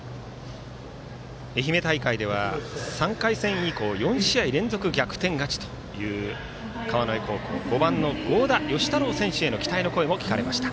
愛媛大会では３回戦以降４試合連続で逆転勝ちという川之江高校５番の合田慶太朗選手への期待の声も聞かれました。